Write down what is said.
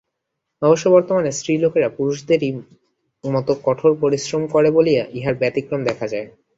অবশ্য বর্তমানে স্ত্রীলোকেরা পুরুষদেরই মত কঠোর পরিশ্রম করে বলিয়া ইহার ব্যতিক্রম দেখা যায়।